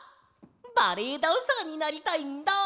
バレエダンサーになりたいんだ！